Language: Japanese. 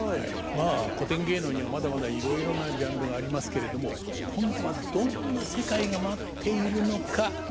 まあ古典芸能にはまだまだいろいろなジャンルがありますけれども今度はどんな世界が待っているのか大久保さん楽しみですね。